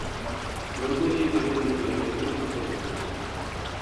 يول بويى كۆزۈمدىن ياش تۆكۈلۈپلا تۇردى.